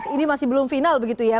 ini masih belum final begitu ya